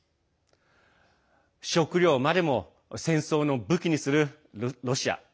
食糧までもを戦争の武器にするロシア。